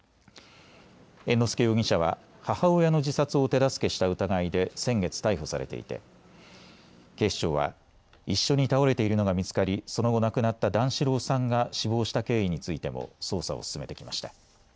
猿之助容疑者は母親の自殺を手助けした疑いで先月、逮捕されていて警視庁は一緒に倒れているのが見つかりその後、亡くなった段四郎さんが死亡した経緯についても捜査を進めてきました。